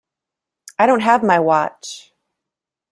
I don't have my watch.